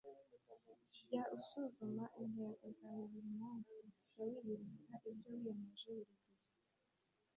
jya usuzuma intego zawe buri munsi. jya wiyibutsa ibyo wiyemeje buri gihe